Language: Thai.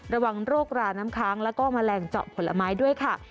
ระวังโรคราน้ำค้างแล้วก็แมลงเจาะผลไม้ด้วยค่ะ